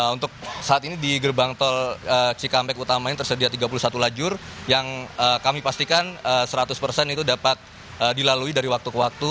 untuk saat ini di gerbang tol cikampek utama ini tersedia tiga puluh satu lajur yang kami pastikan seratus persen itu dapat dilalui dari waktu ke waktu